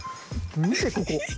見て、ここ。